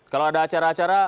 kalau ada acara acara